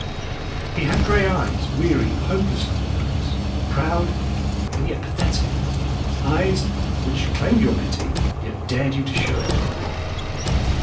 He had grey eyes, weary, hopeless looking eyes, proud and yet pathetic, eyes which claimed your pity and yet dared you to show it.